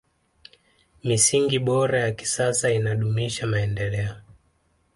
misingi bora ya kisasa inadumisha maendeleo